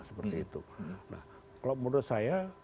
seperti itu nah kalau menurut saya